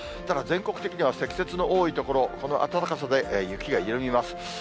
ただ、全国的には積雪の多い所、この暖かさで雪が緩みます。